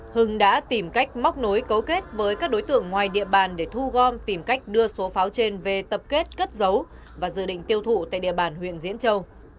hưng đã tìm cách móc nối cấu kết với các đối tượng ngoài địa bàn để thu gom tìm cách đưa số pháo trên về tập kết cất giấu và dự định tiêu thụ tại địa bàn huyện diễn châu